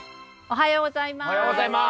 おはようございます。